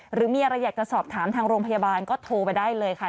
หรือมีอะไรอยากจะสอบถามทางโรงพยาบาลก็โทรไปได้เลยค่ะ